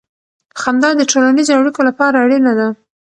خندا د ټولنیزو اړیکو لپاره اړینه ده.